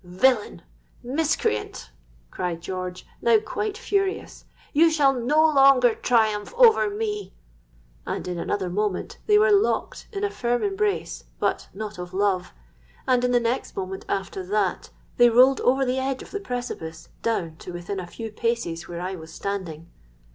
'—'Villain! miscreant!' cried George, now quite furious; 'you shall no longer triumph over me!'—And in another moment they were locked in a firm embrace, but not of love; and in the next moment after that, they rolled over the edge of the precipice, down to within a few paces where I was standing.